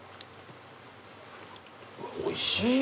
うわおいしい。